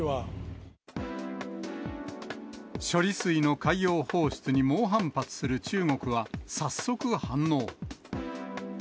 処理水の海洋放出に猛反発する中国は、早速反応。